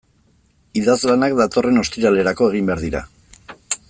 Idazlanak datorren ostiralerako egin behar dira.